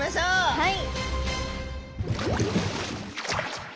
はい。